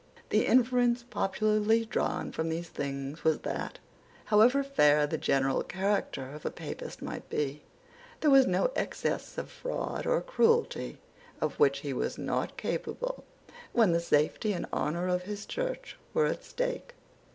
The inference popularly drawn from these things was that, however fair the general character of a Papist might be, there was no excess of fraud or cruelty of which he was not capable when the safety and honour of his Church were at stake.